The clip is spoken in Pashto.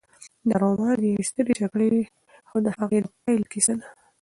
دا رومان د یوې سترې جګړې او د هغې د پایلو کیسه ده.